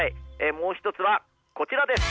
もう一つはこちらです！